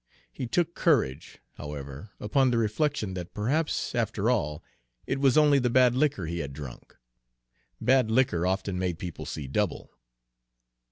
He took courage, however, upon the reflection that perhaps, after all, it was only the bad liquor he had drunk. Bad liquor often made people see double.